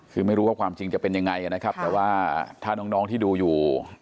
คือไม่รู้ว่าความจริงจะเป็นยังไงนะครับแต่ว่าถ้าน้องที่ดูอยู่